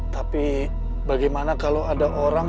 tapi bagaimana kalau ada orang